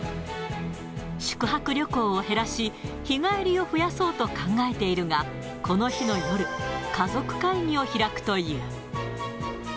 宿泊旅行を減らし、日帰りを増やそうと考えているが、この日の夜、家族会議を開くという。